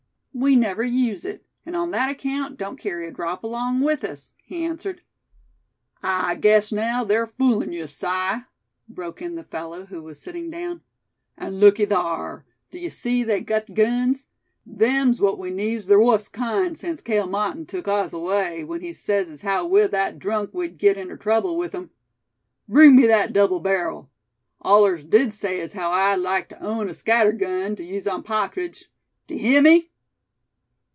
"We never use it; and on that account don't carry a drop along with us," he answered. "I guess naow, ther foolin' yuh, Si!" broke in the fellow who was sitting down. "And looky thar, d'ye see they gut guns? Them's w'at we needs ther wust kind, sense Cale Martin took ours away, w'en he sez as haow we're that drunk we'd git inter trouble with 'em. Bring me thet double barrel. Allers did say as haow I'd like tuh own a scattergun, tuh use on pa'tridge. D'ye hear me?"